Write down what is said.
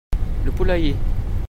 Le poulailler.